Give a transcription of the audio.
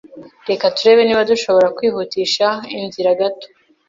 Reka turebe niba dushobora kwihutisha inzira gato.